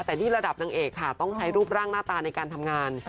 แต่นี่ระดับนางเอกค่ะต้องใช้รูปร่างหน้าตาในการทำงาน